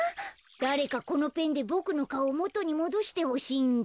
だれかこのペンでボクのかおをもとにもどしてほしいんだ。